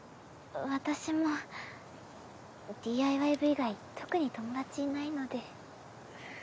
私もＤＩＹ部以外特に友達いないので。